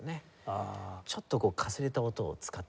ちょっとこうかすれた音を使ってみたりとか。